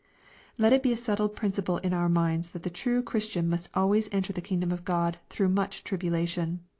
Let it be a settled principle in our minds that the true Christianmusfc always enter the kingdom of God *^ through much tribulation."